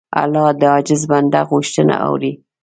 الله د عاجز بنده غوښتنه اوري.